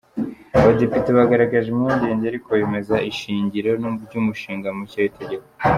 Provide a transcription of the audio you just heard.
Abadepite bagaragaje impungenge ariko bemeza ishingiro ry’umushinga mushya w’itegeko.